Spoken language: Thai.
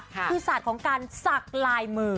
คือศาสตร์ของการสักลายมือ